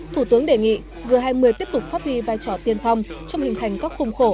thủ tướng đề nghị g hai mươi tiếp tục phát huy vai trò tiên phong trong hình thành các khung khổ